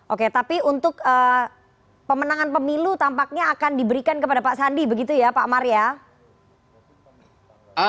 oke tapi untuk pemenangan pemilu tampaknya akan diberikan kepada pak sandi begitu ya pak maria